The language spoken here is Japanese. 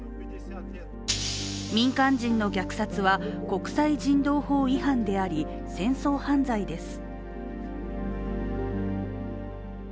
民間人の虐殺は国際人道法違反であり、戦争犯罪です。